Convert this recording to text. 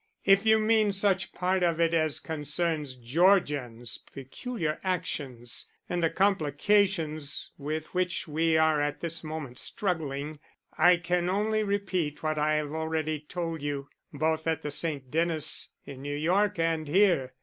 "If you mean such part of it as concerns Georgian's peculiar actions and the complications with which we are at this moment struggling, I can only repeat what I have already told you, both at the St. Denis in New York and here.